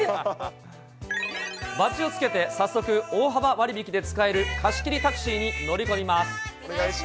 バッジをつけて早速、大幅割引で使える貸し切りタクシーに乗り込みます。